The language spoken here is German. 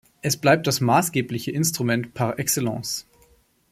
Es bleibt das maßgebliche Instrument par excellence.